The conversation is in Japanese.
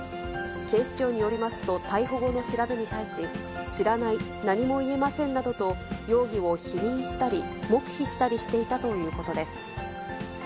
警視庁によりますと、逮捕後の調べに対し、知らない、何も言えませんなどと容疑を否認したり、黙秘したりしていたということです。